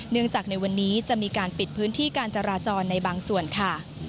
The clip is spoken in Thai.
จากในวันนี้จะมีการปิดพื้นที่การจราจรในบางส่วนค่ะ